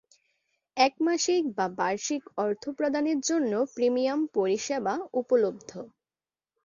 এক মাসিক বা বার্ষিক অর্থ প্রদানের জন্য প্রিমিয়াম পরিষেবা উপলব্ধ।